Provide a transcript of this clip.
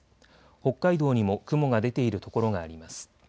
北海道にも雲が出ている所があります。